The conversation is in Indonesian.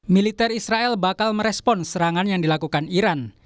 militer israel bakal merespon serangan yang dilakukan iran